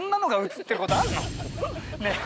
ねえ。